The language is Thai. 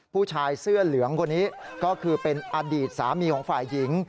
ผู้ชายเสื้อเหลืองคนนี้ก็คือเป็นอดีตสามีของฝ่ายหญิง